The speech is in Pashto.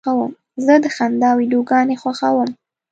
زه د خندا ویډیوګانې خوښوم.